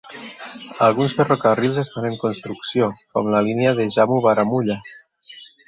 Alguns ferrocarrils estan en construcció, com la línia de Jammu-Baramulla.